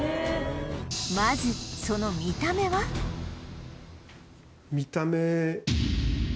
まずその見た目はあっ！